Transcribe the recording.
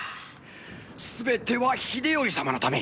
全ては秀頼様のため。